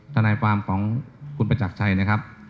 ทนายความของคุณประจักรชัยนะครับ